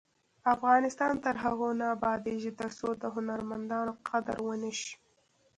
افغانستان تر هغو نه ابادیږي، ترڅو د هنرمندانو قدر ونشي.